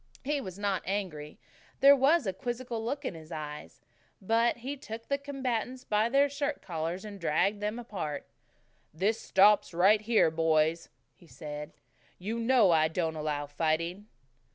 He was not angry. There was a quizzical look in his eyes. But he took the combatants by their shirt collars and dragged them apart. "This stops right here, boys," he said. "You know I don't allow fighting."